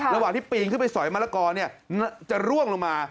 ระหว่างที่ปีนขึ้นไปสอยมะละกอจะร่วงลงมา